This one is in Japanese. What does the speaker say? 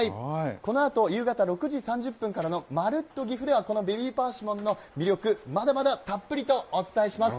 このあと夕方６時３０分からの、まるっとぎふではこのベビーパーシモンの魅力、まだまだたっぷりとお伝えします。